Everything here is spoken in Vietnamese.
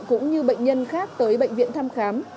cũng như bệnh nhân khác tới bệnh viện thăm khám